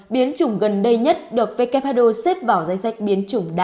biến chủng gần đây nhất được who xếp vào dây xe